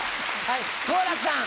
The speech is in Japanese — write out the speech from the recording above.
はい。